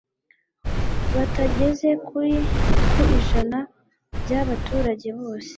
batageze kuri ku ijana by abaturage bose